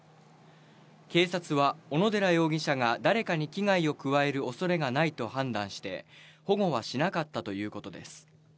警察は、小野寺容疑者が誰かに危害を加えるおそれがないと判断して、保護はしなかったということです。